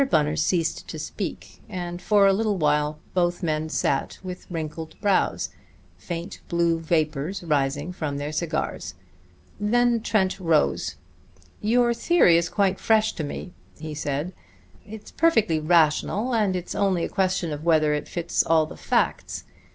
Bunner ceased to speak, and for a little while both men sat with wrinkled brows, faint blue vapors rising from their cigars. Then Trent rose. "Your theory is quite fresh to me," he said. "It's perfectly rational, and it's only a question of whether it fits all the facts.